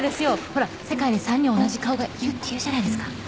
ほら世界に３人同じ顔がいるっていうじゃないですか。